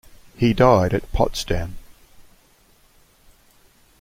He died at Potsdam.